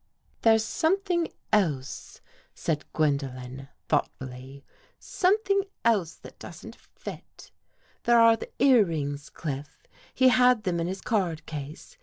" There's something else," said Gwendolen 208 A NIGHT RIDE thoughtfully, —" something else that doesn't fit. There are the earrings, Cliff. He had them in his card case.